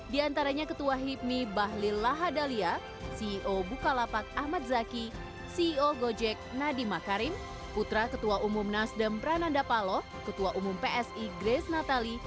di antaranya ketua hipmi bahlil lahadalia ceo bukalapak ahmad zaki ceo gojek nadiem makarim putra ketua umum nasdem prananda paloh ketua umum psi grace natali